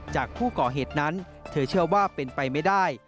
จากผู้ก่อเหตุนั้นเธอเชื่อว่าเป็นไปไม่ได้